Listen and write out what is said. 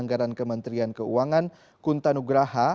anggaran kementerian keuangan kuntanugraha